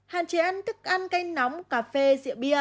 hạn chế ăn thức ăn canh nóng cà phê rượu bia